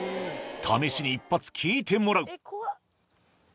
試しに１発聞いてもらう怖っ。